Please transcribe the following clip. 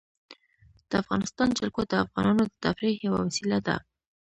د افغانستان جلکو د افغانانو د تفریح یوه وسیله ده.